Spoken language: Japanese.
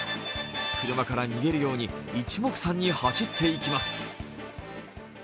車から逃げるように一目散に走っていきます。